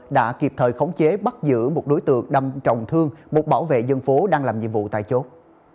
đã kịp thời khống chế bắt giữ một đối tượng đâm trọng thương một bảo vệ dân phố đang làm nhiệm vụ tại chốt